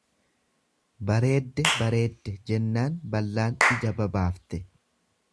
Bareedde bareedde jennaan ballaan ija babaafte.